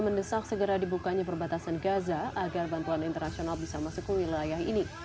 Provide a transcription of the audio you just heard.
mendesak segera dibukanya perbatasan gaza agar bantuan internasional bisa masuk ke wilayah ini